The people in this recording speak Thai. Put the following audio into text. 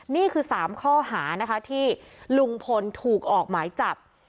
นี่คือ๓ฆ่าหาที่ลุงฝนฯโถงออกหมายจับ